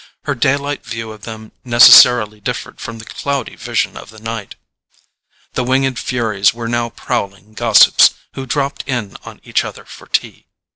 Her daylight view of them necessarily differed from the cloudy vision of the night. The winged furies were now prowling gossips who dropped in on each other for tea.